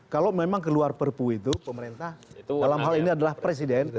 kalau memang keluar perpu itu pemerintah dalam hal ini adalah presiden